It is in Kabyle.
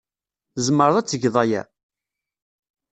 Tzemreḍ ad tgeḍ aya?